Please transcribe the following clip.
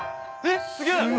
えっすげえ！